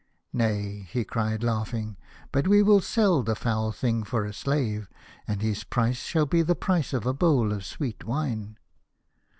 " Nay," he cried, laughing, "but we will sell 146 The Star Child. the foul thing for a slave, and his price shall be the price of a bowl of sweet wine."